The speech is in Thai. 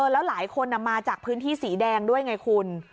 แล้วหลายคนมาจากพื้นที่สีแดงด้วยไงคุณ